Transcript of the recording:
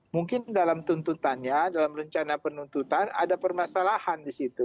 mungkin dalam tuntutannya dalam rencana penuntutan ada permasalahan di situ